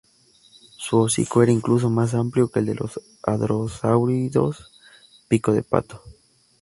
Su hocico era incluso más amplio que el de los hadrosáuridos "pico de pato".